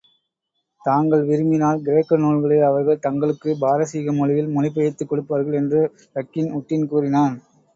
தாங்கள் விரும்பினால் கிரேக்க நூல்களை அவர்கள் தங்களுக்குப் பாரசீகமொழியில் மொழிபெயர்த்துக் கொடுப்பார்கள் என்று ரக்கின் உட்டின் கூறினான்.